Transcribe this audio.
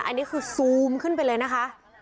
อันนี้คือซูมขึ้นไปเลยนะคะ